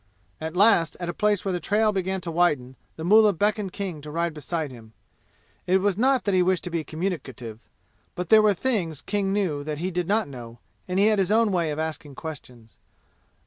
At last at a place where the trail began to widen, the mullah beckoned King to ride beside him. It was not that he wished to be communicative, but there were things King knew that he did not know, and he had his own way of asking questions.